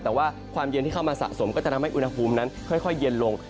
แต่ว่าความเย็นที่เข้ามาสะสมก็จะทำให้อุณหภูมินั้นค่อยเย็นลง